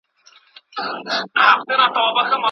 وزر مي دی راوړی سوځوې یې او که نه